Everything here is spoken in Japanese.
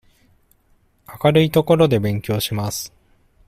明るい所で勉強します。